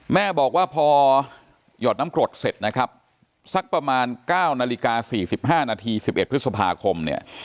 แม่บอกว่าพอยอดน้ำกรดเสร็จนะครับสักประมาณ๙น๔๕น๑๑พฤษภาคม